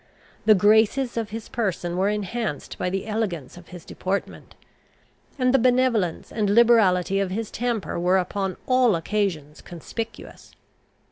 The graces of his person were enhanced by the elegance of his deportment; and the benevolence and liberality of his temper were upon all occasions conspicuous.